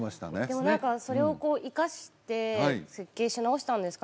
でも何かそれを生かして設計し直したんですかね